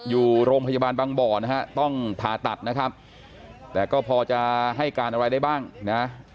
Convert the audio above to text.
อยู่โรงพยาบาลบางบ่อนะฮะต้องผ่าตัดนะครับแต่ก็พอจะให้การอะไรได้บ้างนะ